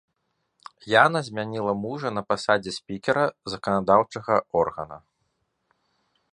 Яна змяніла мужа на пасадзе спікера заканадаўчага органа.